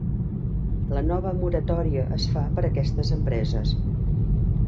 La nova moratòria es fa per a aquestes empreses.